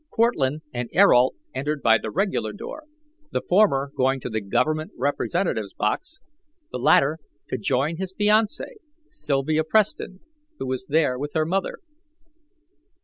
Cortlandt and Ayrault entered by the regular door, the former going to the Government representatives' box, the latter to join his fiancee, Sylvia Preston, who was there with her mother.